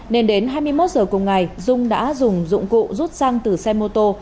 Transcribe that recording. nên đến hai mươi một giờ cùng ngày dung đã dùng dụng cụ rút xăng từ xe mô tô